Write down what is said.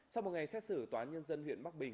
sau một ngày xét xử tòa nhân dân huyện bắc bình